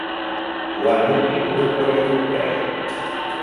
Ho han obtingut per sorpresa.